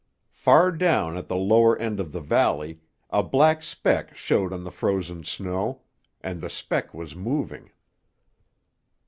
Far down at the lower end of the valley a black speck showed on the frozen snow, and the speck was moving.